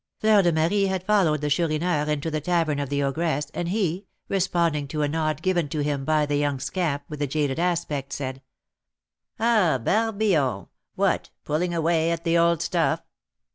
Fleur de Marie had followed the Chourineur into the tavern of the ogress, and he, responding to a nod given to him by the young scamp with the jaded aspect, said, "Ah, Barbillon! what, pulling away at the old stuff?"